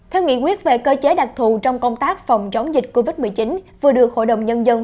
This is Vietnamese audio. theo nghị quyết về cơ chế đặc thù trong công tác phòng chống dịch covid một mươi chín vừa được hội đồng nhân dân